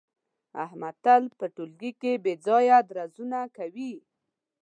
احمد تل په ټولگي کې بې ځایه ډزونه کوي.